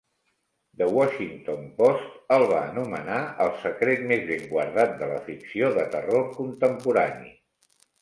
"The Washington Post" el va anomenar "el secret més ben guardat" de la ficció de terror contemporani.